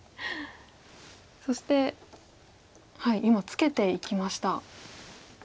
そして今ツケていきました。